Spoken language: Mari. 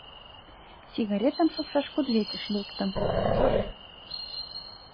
Сигаретым шупшаш кудывечыш лектым.